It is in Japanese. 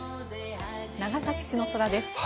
長崎市の空です。